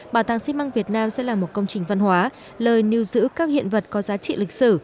bảo tàng xi măng việt nam sẽ là một công trình văn hóa lời nưu giữ các hiện vật có giá trị lịch sử